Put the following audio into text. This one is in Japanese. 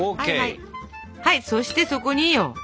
はいそしてそこによ。